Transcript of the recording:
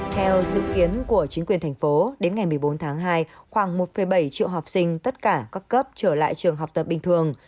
theo dự kiến của chính quyền thành phố đến ngày một mươi bốn tháng hai khoảng một bảy triệu học sinh tất cả các cấp trở lại trường học tập bình thường